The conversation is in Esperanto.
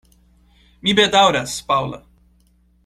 Mi bedaŭras, Paŭla.